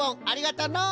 ありがとう！